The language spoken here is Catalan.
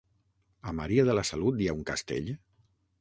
A Maria de la Salut hi ha un castell?